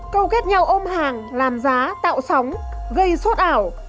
câu kết nhau ôm hàng làm giá tạo sóng gây sốt ảo